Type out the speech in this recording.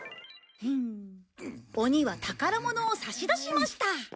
鬼は宝物を差し出しました。